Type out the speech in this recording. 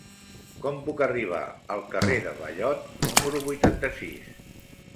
Com puc arribar al carrer de Ballot número vuitanta-sis?